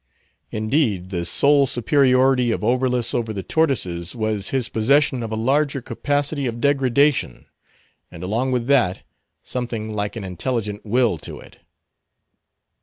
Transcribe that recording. Indeed, the sole superiority of Oberlus over the tortoises was his possession of a larger capacity of degradation; and along with that, something like an intelligent will to it.